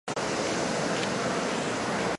基舒纽姆。